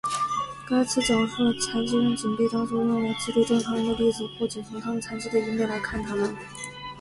该词描述了残疾人仅被当做用来激励正常人的例子或仅从他们残疾的一面来看他们。